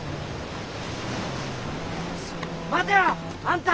待てよあんた！